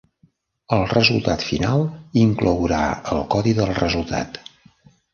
El resultat final inclourà el codi del resultat.